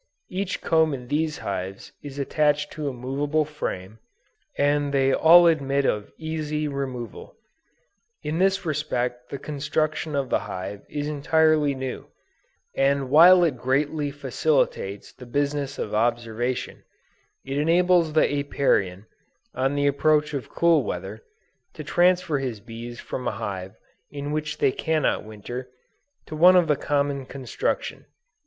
Each comb in these hives is attached to a movable frame, and they all admit of easy removal. In this respect the construction of the hive is entirely new, and while it greatly facilitates the business of observation, it enables the Apiarian, on the approach of cool weather, to transfer his bees from a hive in which they cannot winter, to one of the common construction.